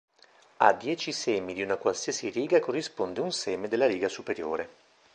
A dieci semi di una qualsiasi riga corrisponde un seme della riga superiore.